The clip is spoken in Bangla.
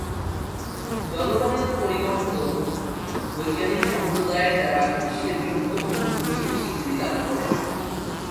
জলবায়ু পরিবর্তন বৈজ্ঞানিক সম্প্রদায়ের দ্বারা বিশ্বের বৃহত্তম হুমকি হিসাবে স্বীকৃতি লাভ করে।